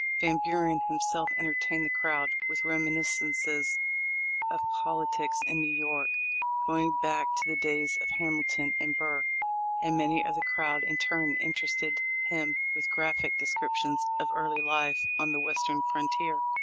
Van Buren himself entertained the crowd with reminiscences of politics in New York, going back to the days of Hamilton and Burr, and many of the crowd in turn interested him with graphic descriptions of early life on the western frontier.